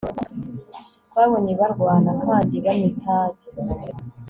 twabonye barwana kandi banywa itabi